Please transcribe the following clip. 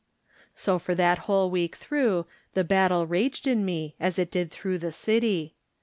So for that whole week through the battle raged in me as it did through the city.